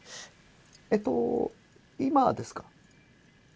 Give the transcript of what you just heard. えっと今ですか？